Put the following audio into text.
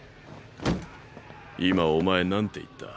今お前何て言った？